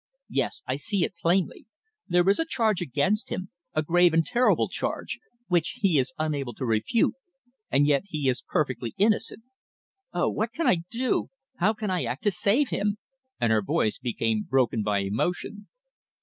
Yes, I see it plainly. There is a charge against him a grave and terrible charge which he is unable to refute, and yet he is perfectly innocent. Oh, what can I do? How can I act to save him?" and her voice became broken by emotion.